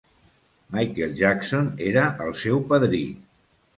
Michael Jackson era el seu padrí.